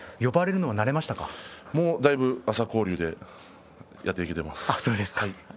もうだいぶ朝紅龍でやってきています。